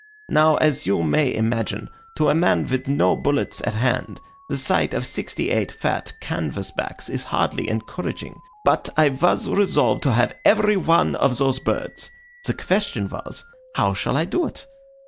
Now, as you may imagine, to a man with no bullets at hand, the sight of sixty eight fat canvas backs is hardly encouraging, but I was resolved to have every one of those birds; the question was, how shall I do it?